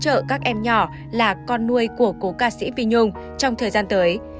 phi nhung có thể hỗ trợ các em nhỏ là con nuôi của cô ca sĩ phi nhung trong thời gian tới